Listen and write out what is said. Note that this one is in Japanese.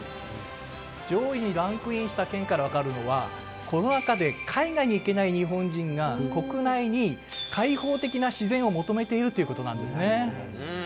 上位にランクインした県から分かるのは、コロナ禍で海外に行けない日本人が、国内に開放的な自然を求めているということなんですね。